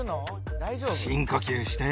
深呼吸して。